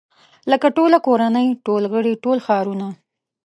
لکه ټوله کورنۍ ټول غړي ټول ښارونه.